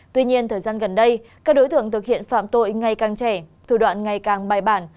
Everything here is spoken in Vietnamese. tuy nhiên thời gian gần đây các đối tượng thực hiện phạm tội ngày càng trẻ thủ đoạn ngày càng bài bản